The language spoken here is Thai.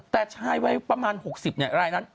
แต่ชายไว้ประมาณ๖๐เนี่ยรายนั้น